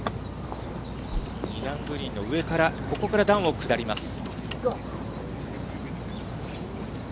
２段グリーンの上から、ここから段を下ります。